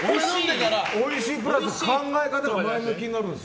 おいしいプラス考え方が前向きになるんです。